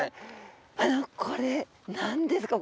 あのこれ何ですか？